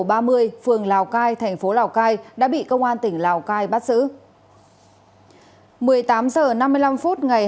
phường lào cai thành phố lào cai đã bị công an tỉnh lào cai bắt giữ